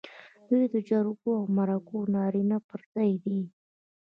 دوی د جرګو او مرکو د نارینه و پر ځای دي.